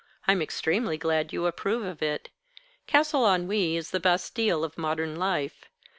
"I'm extremely glad you approve of it. Castle Ennui is the bastile of modern life.